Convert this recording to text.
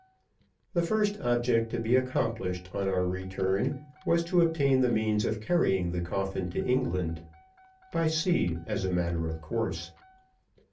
The first object to be accomplished on our return was to obtain the means of carrying the coffin to England by sea, as a matter of course.